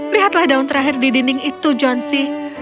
lihatlah daun terakhir di dinding itu johnsy